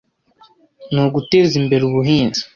ni uguteza imbere ubuhinzi